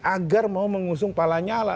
agar mau mengusung palanyala